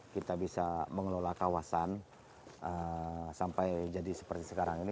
kita bisa mengelola kawasan sampai jadi seperti sekarang ini